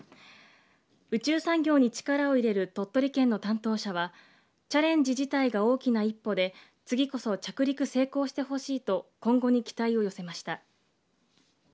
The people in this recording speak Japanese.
宇宙産業に力を入れる鳥取県の担当者はチャレンジ自体が大きな一歩で次こそ着陸成功してほしいと今後に期待を寄せました。